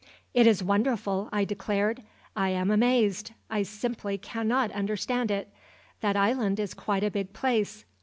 "It is wonderful," I declared. "I am amazed. I simply cannot understand it. That island is quite a big place.